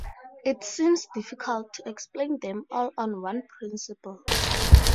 It seems difficult to explain them all on one principle.